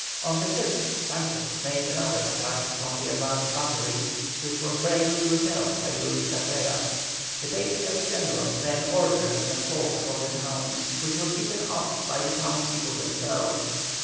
On the 5th Sanchez made another attack upon the advanced battery, which was bravely repelled by Luis Carrera. The Patriot general then ordered an assault upon the town, which was beaten off by the townspeople themselves.